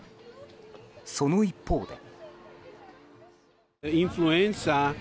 その一方で。